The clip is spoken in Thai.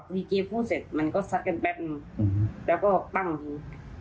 พี่เกมพูดเสร็จมันก็ซัดกันแป๊บแล้วก็ปั้งอย่างนี้